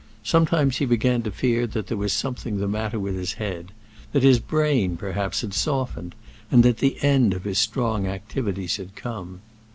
Sometimes he began to fear that there was something the matter with his head; that his brain, perhaps, had softened, and that the end of his strong activities had come.